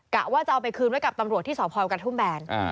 ว่าจะเอาไปคืนไว้กับตำรวจที่สพกระทุ่มแบน